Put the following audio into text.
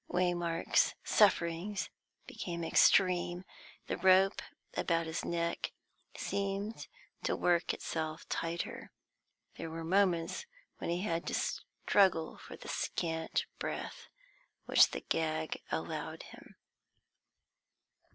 Waymark's sufferings became extreme. The rope about his neck seemed to work itself tighter; there were moments when he had to struggle for the scant breath which the gag allowed him.